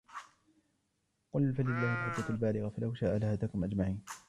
قل فلله الحجة البالغة فلو شاء لهداكم أجمعين